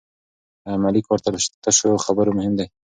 عملي کار تر تشو خبرو مهم دی.